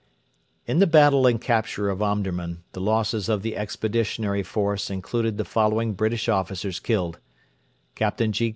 In the battle and capture of Omdurman the losses of the Expeditionary Force included the following British officers killed: Capt. G.